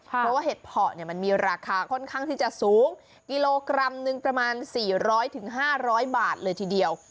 เพราะว่าเห็ดเพาะมันมีราคาค่อนข้างที่จะสูงกิโลกรัมหนึ่งประมาณ๔๐๐๕๐๐บาทเลยทีเดียว